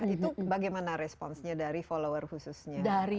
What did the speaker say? itu bagaimana responsnya dari follower khususnya